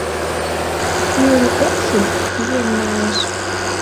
Кӱын ок шу — еҥ налеш.